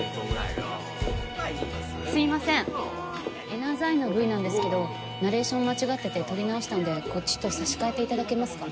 エナズアイのＶなんですけどナレーション間違ってて録り直したんでこっちと差し替えていただけますか？